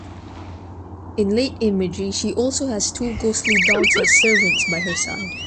In late imagery she also has two ghostly dogs as servants by her side.